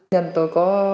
nhân tôi có